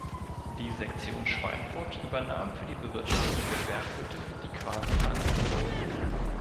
Die Sektion Schweinfurt übernahm für die Bewirtschaftung der Berghütte die Quasi-Verantwortung.